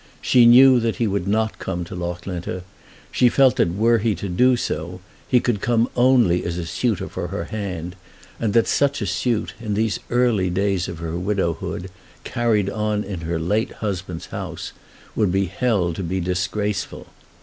She knew that he would not come to Loughlinter. She felt that were he to do so he could come only as a suitor for her hand, and that such a suit, in these early days of her widowhood, carried on in her late husband's house, would be held to be disgraceful.